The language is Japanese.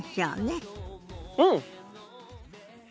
うん！